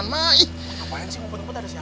ngapain sih ngumpet ngumpet ada si abah sih